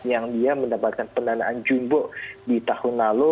yang dia mendapatkan pendanaan jumbo di tahun lalu